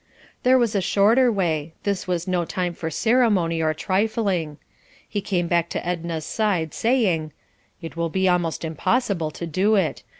There was a shorter way this was no time for ceremony or trifling. He came back to Edna's side saying, "It will be almost impossible to do it.